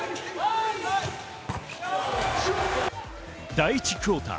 第１クオーター。